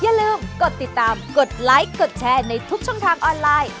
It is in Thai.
อย่าลืมกดติดตามกดไลค์กดแชร์ในทุกช่องทางออนไลน์